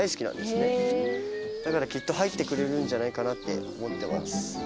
だからきっと入ってくれるんじゃないかなって思ってます。